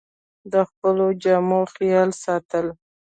د خپلو جامو خیال ساته